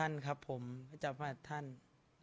สงฆาตเจริญสงฆาตเจริญ